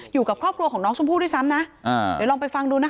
อยู่กับครอบครัวของน้องชมพู่ด้วยซ้ำนะอ่าเดี๋ยวลองไปฟังดูนะคะ